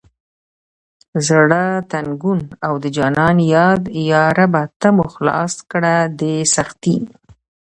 زړه تنګون او د جانان یاد یا ربه ته مو خلاص کړه دې سختي…